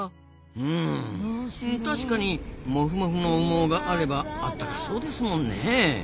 うん確かにモフモフの羽毛があればあったかそうですもんねえ。